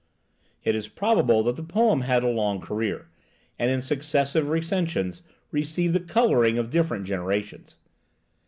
It is probable that the poem had a long career, and in successive recensions received the coloring of different generations.